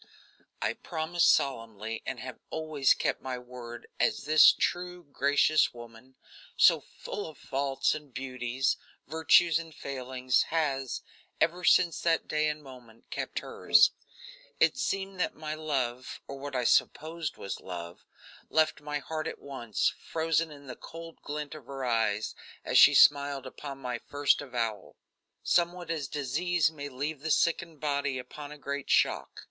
I promised solemnly and have always kept my word, as this true, gracious woman, so full of faults and beauties, virtues and failings, has, ever since that day and moment, kept hers. It seemed that my love, or what I supposed was love, left my heart at once, frozen in the cold glint of her eyes as she smiled upon my first avowal; somewhat as disease may leave the sickened body upon a great shock.